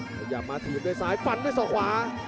พยายามมาทีมด้วยซ้ายฟันด้วยส่อขวา